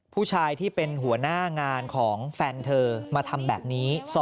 ผู้ชายที่เป็นหัวหน้างานของแฟนเธอมาทำแบบนี้